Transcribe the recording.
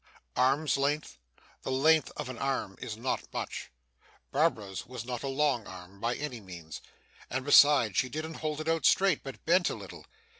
Arm's length? The length of an arm is not much. Barbara's was not a long arm, by any means, and besides, she didn't hold it out straight, but bent a little.